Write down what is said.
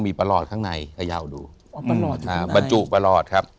มีปรรถข้างในยาวดูบรรจุปรรอตครับ